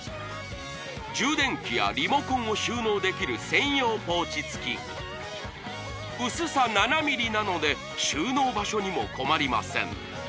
充電器やリモコンを収納できる専用ポーチ付き薄さ７ｍｍなので収納場所にも困りません